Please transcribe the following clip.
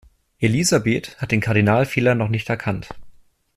Elisabeth hat den Kardinalfehler noch nicht erkannt.